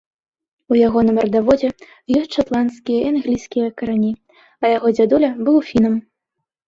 У ягоным радаводзе ёсць шатландскія і англійскія карані, а яго дзядуля быў фінам.